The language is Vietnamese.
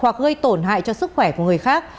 hoặc gây tổn hại cho sức khỏe của người khác